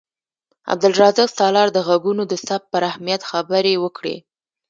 عبدالرزاق سالار د غږونو د ثبت پر اهمیت خبرې وکړې.